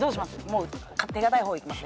もう手堅い方いきます？